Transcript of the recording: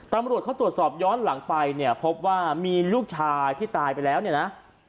ตำรวจเขาตรวจสอบย้อนหลังไปเนี่ยพบว่ามีลูกชายที่ตายไปแล้วเนี่ยนะ